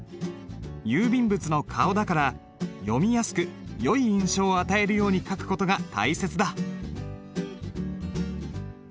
郵便物の顔だから読みやすくよい印象を与えるように書く事が大切だ。